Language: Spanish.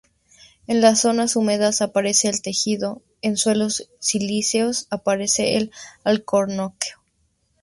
En las zonas más húmedas aparece el quejigo; en suelos silíceos aparece el alcornoque.